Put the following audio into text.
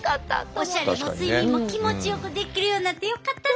オシャレも睡眠も気持ちよくできるようになってよかったな！